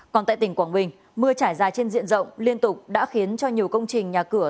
còn tại tỉnh quảng bình mưa trải dài trên diện rộng liên tục đã khiến cho nhiều công trình nhà cửa